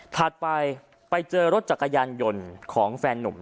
ถัดไปไปเจอรถจักรยานยนต์ของแฟนนุ่ม